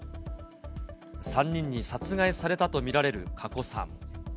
３人に殺害されたと見られる加古さん。